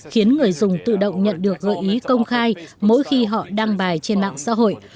khiến người dùng tự động nhận được gợi ý công khai mỗi khi họ đăng bài trên mạng xã hội